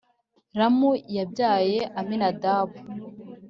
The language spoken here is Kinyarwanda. Ramu yabyaye Aminadabu,